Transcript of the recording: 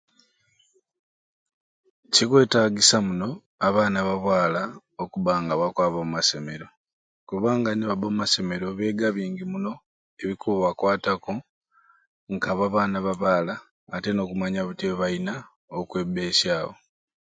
Kikwetagisa muno abaana ba bwaala okubba nga bakwaba omumasomero kubanga nibabba omumasomero beega bingi muno ebikubakwataku ka bo abaana ba bwaala ate n'okumanya butyai bwebalina okwebeesyawo.